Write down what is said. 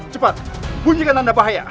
cepat bunyikan tanda bahaya